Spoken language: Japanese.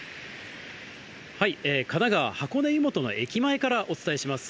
神奈川・箱根湯本の駅前からお伝えします。